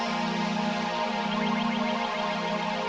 oh si abah itu